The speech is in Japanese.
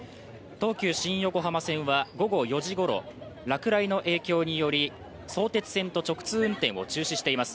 東急新横浜線は午後４時ごろ、落雷の影響により、相鉄線と直通運転を中止しています。